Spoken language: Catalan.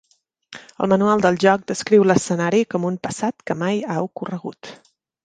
El manual del joc descriu l'escenari com un "passat que mai ha ocorregut".